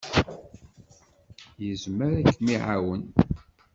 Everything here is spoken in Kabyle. Yezmer ad kem-iɛawen.